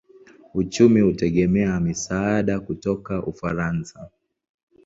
Uchumi hutegemea misaada kutoka Ufaransa.